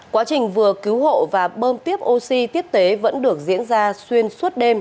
quá trình vừa cứu hộ và bơm tiếp oxy tiếp tế vẫn được diễn ra xuyên suốt đêm